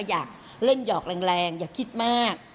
อยากเล่นหยอกแรงอย่าคิดมาก